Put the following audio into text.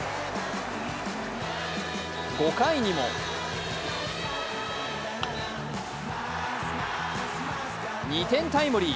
５回にも２点タイムリー。